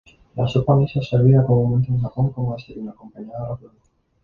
La sopa miso es servida comúnmente en Japón como desayuno, acompañada de arroz blanco.